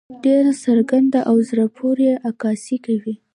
ډېره څرګنده او زړۀ پورې عکاسي کوي.